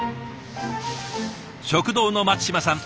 食堂の松島さん